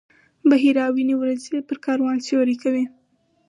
بحیرا ویني وریځې پر کاروان سیوری کوي.